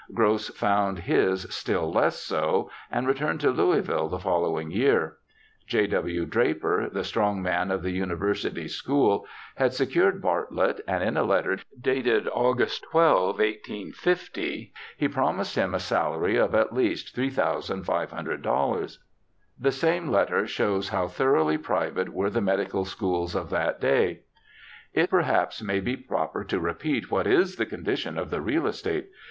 Gross found his still less so, and returned to Louisville the following year. J. W. Draper, the strong man of the University School, had secured Bartlett, and in a letter dated Aug. 12, 1850, he promised him a salary of at least $3,500. The same letter shows how thoroughly private were the medical schools of that day :' It perhaps may be proper to repeat what is the con dition of the real estate.